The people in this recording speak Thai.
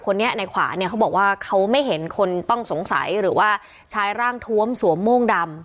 ในขวาเนี่ยเขาบอกว่าเขาไม่เห็นคนต้องสงสัยหรือว่าชายร่างทวมสวมโม่งดำ